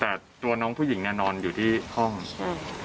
แต่ตัวน้องผู้หญิงเนี่ยนอนอยู่ที่ห้องใช่